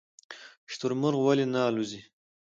شترمرغ ولې نه الوځي؟